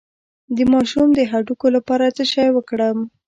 د ماشوم د هډوکو لپاره څه شی ورکړم؟